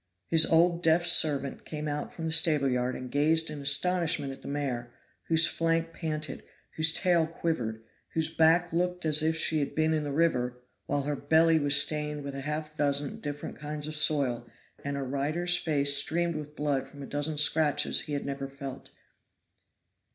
His old deaf servant came out from the stable yard and gazed in astonishment at the mare, whose flank panted, whose tail quivered, whose back looked as if she had been in the river, while her belly was stained with half a dozen different kinds of soil, and her rider's face streamed with blood from a dozen scratches he had never felt.